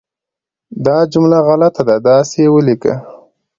دا جمله غلطه ده، داسې یې ولیکه